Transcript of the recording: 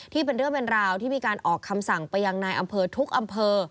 เป็นเรื่องเป็นราวที่มีการออกคำสั่งไปยังนายอำเภอทุกอำเภอ